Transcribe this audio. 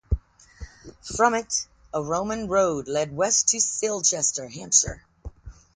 From it, a Roman road led west to Silchester, Hampshire.